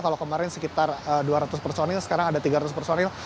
kalau kemarin sekitar dua ratus personil sekarang ada tiga ratus personil